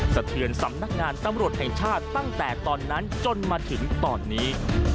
สะเทือนสำนักงานตำรวจแห่งชาติตั้งแต่ตอนนั้นจนมาถึงตอนนี้